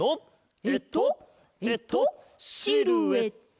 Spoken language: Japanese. えっとえっとシルエット！